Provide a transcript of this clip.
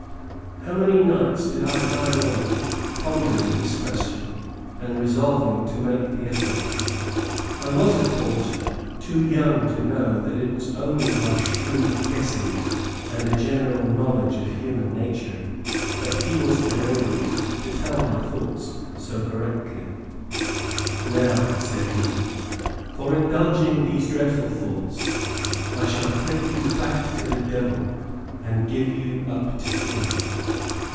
How many nights did I lie awake pondering this question, and resolving to make the effort. I was, of course, too young to know that it was only by shrewd guessing, and a general knowledge of human nature, that he was enabled to tell my thoughts so correctly. "Now," said he, "for indulging these dreadful thoughts, I shall take you back to the devil, and give you up to him."